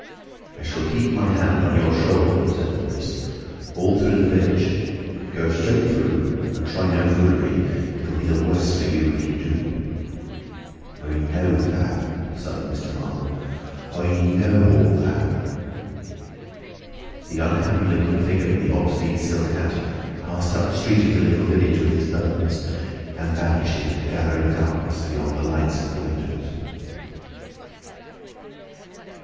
"I shall keep my hand on your shoulder," said the Voice, "all through the village. Go straight through and try no foolery. It will be the worse for you if you do." "I know that," sighed Mr. Marvel, "I know all that." The unhappy looking figure in the obsolete silk hat passed up the street of the little village with his burdens, and vanished into the gathering darkness beyond the lights of the windows.